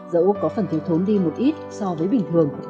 dẫu có phần thiếu thốn đi một ít so với bình thường